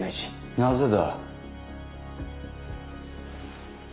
なぜだ。